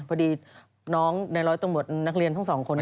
พอดีน้องในร้อยตำรวจนัฐวุธนักเรียนทั้ง๒คน